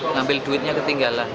ngambil duitnya ketinggalan